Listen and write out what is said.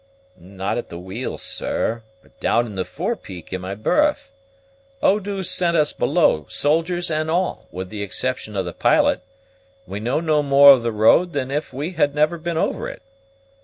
"Not at the wheel, sir, but down in the fore peak in my berth. Eau douce sent us below, soldiers and all, with the exception of the pilot, and we know no more of the road than if we had never been over it.